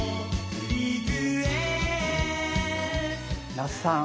那須さん